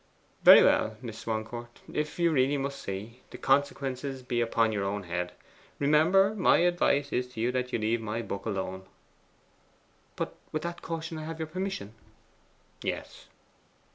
'Very well, Miss Swancourt. If you really must see, the consequences be upon your own head. Remember, my advice to you is to leave my book alone.' 'But with that caution I have your permission?' 'Yes.